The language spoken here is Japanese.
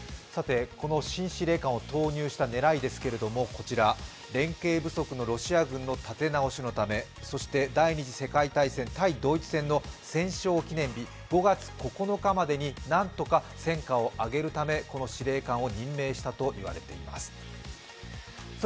この新司令官を投入した狙いですけど、連携不足のロシア軍の立て直しのため、そして第二次世界大戦対ドイツ戦での戦勝記念日、５月９日までに何とか戦果をあげるためこの司令官を任命したということです。